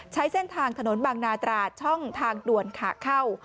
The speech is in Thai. ใช้เส้นทางถนนบางนาตราช่องทางด่วนขาเข้า